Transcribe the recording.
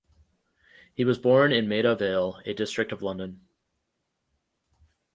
He was born in Maida Vale, a district of London.